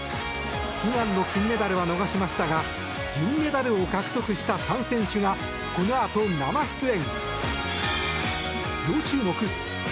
悲願の金メダルは逃しましたが銀メダルを獲得した３選手がこのあと、生出演。